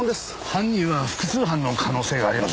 犯人は複数犯の可能性がありますね。